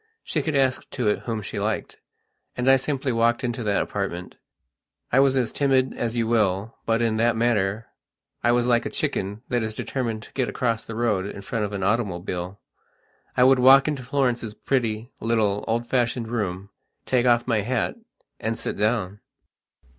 She could ask to it whom she liked, and I simply walked into that apartment. I was as timid as you will, but in that matter I was like a chicken that is determined to get across the road in front of an automobile. I would walk into Florence's pretty, little, old fashioned room, take off my hat, and sit down.